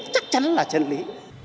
chắc chắn là chân lý